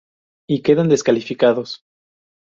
Y quedan descalificados.